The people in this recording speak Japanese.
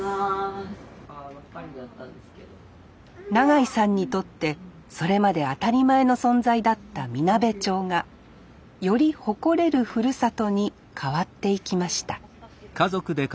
永井さんにとってそれまで当たり前の存在だったみなべ町がより誇れるふるさとに変わっていきました